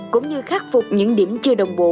cũng như khắc phục những điểm chưa đồng bộ